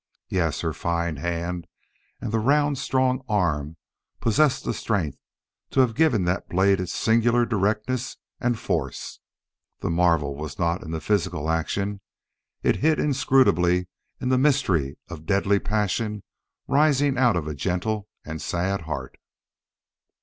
Yes, her fine hand and the round, strong arm possessed the strength to have given that blade its singular directness and force. The marvel was not in the physical action. It hid inscrutably in the mystery of deadly passion rising out of a gentle and sad heart.